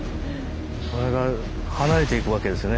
これが離れていくわけですよね